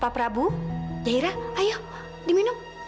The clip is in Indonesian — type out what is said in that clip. pak prabu zaira ayo diminum